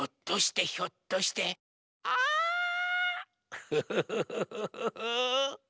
クフフフフフフ。